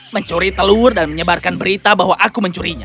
mencuri telur dan menyebarkan berita bahwa aku mencurinya